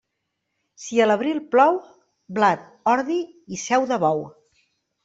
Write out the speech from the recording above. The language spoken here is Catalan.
Si a l'abril plou, blat, ordi i seu de bou.